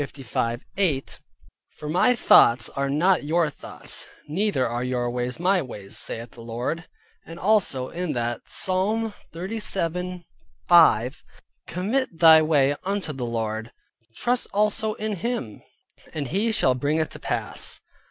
8: "For my thoughts are not your thoughts, neither are your ways my ways, saith the Lord." And also that [in] Psalm 37.5: "Commit thy way unto the Lord; trust also in him; and he shall bring it to pass."